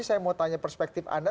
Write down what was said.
saya mau tanya perspektif anda